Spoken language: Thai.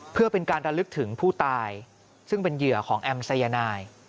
เพื่อเป็นการระลึกถึงผู้ตายซึ่งเป็นเหยื่อของแอมสายนาย